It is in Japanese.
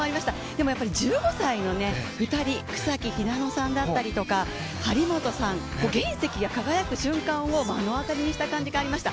でもやっぱり１５歳の２人草木ひなのさんだったりとか張本さん、原石が輝く瞬間を目の当たりにした感じがありました。